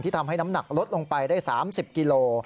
ทำให้น้ำหนักลดลงไปได้๓๐กิโล